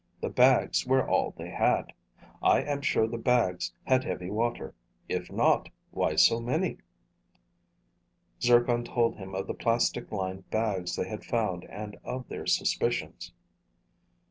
The bags were all they had. I am sure the bags had heavy water. If not, why so many?" Zircon told him of the plastic lined bags they had found and of their suspicions.